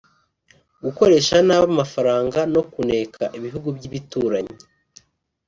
gukoresha nabi amafaranga no kuneka ibihugu by’ibituranyi